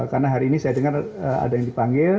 karena hari ini saya dengar ada yang dipanggil